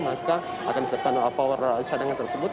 maka akan disertakan power sadangan tersebut